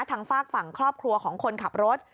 ทางฝากฝั่งครอบครัวของคนขับรถ